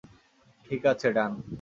ঠিক আছে, ডান।